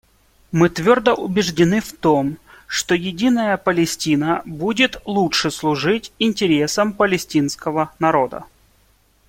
Мы твердо убеждены в том, что единая Палестина будет лучше служить интересам палестинского народа.